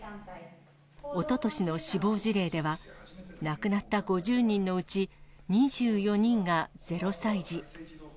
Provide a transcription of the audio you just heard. おととしの死亡事例では、亡くなった５０人のうち２４人が０歳児。